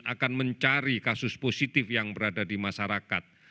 akan mencari kasus positif yang berada di masyarakat